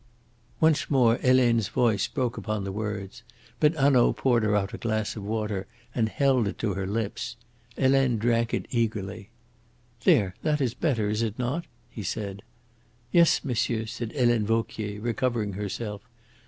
Once more Helene's voice broke upon the words. But Hanaud poured her out a glass of water and held it to her lips. Helene drank it eagerly. "There, that is better, is it not?" he said. "Yes, monsieur," said Helene Vauquier, recovering herself.